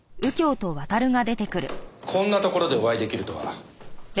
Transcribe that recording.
こんなところでお会い出来るとは。